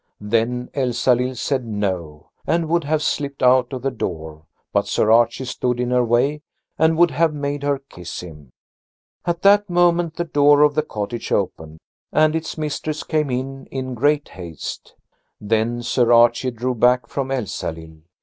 Then Elsalill said No, and would have slipped out of the door, but Sir Archie stood in her way and would have made her kiss him. At that moment the door of the cottage opened, and its mistress came in in great haste. Then Sir Archie drew back from Elsalill.